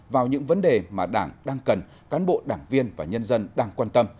vào những vấn đề mà đảng đang cần cán bộ đảng viên và nhân dân đang quan tâm